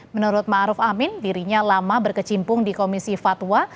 menurut ⁇ maruf ⁇ amin dirinya lama berkecimpung di komisi fatwa